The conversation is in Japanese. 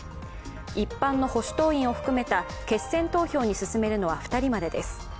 一般の保守党員を含めた決選投票に進めるのは２人までです。